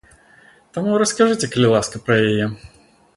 Таму раскажыце, калі ласка, пра яе.